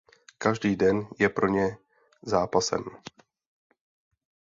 Každý den je pro ně zápasem.